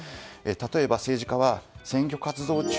例えば、政治家は選挙活動中